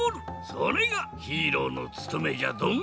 それがヒーローのつとめじゃドン！